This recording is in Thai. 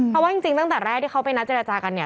เพราะว่าจริงตั้งแต่แรกที่เขาไปนัดเจรจากันเนี่ย